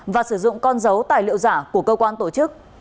và sử dụng con dấu tài liệu giả của cơ quan tổ chức